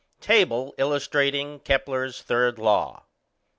_Table illustrating Kepler's third law.